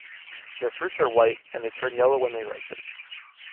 Their fruits are white, and they turn yellow when they ripen.